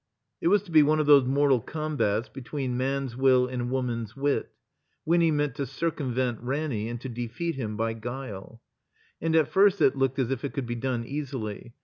It was to be one of those mortal combats between man's will and woman's wit. Winny meant to cir cumvent Ranny and to defeat him by guile. And at first it looked as if it could be done easily.